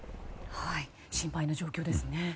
心配な状況ですね。